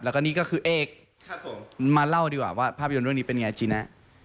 แล้วก็นี่ก็คือเอกมาเล่าดีกว่าว่าภาพยนตร์เรื่องนี้เป็นไงจีนะ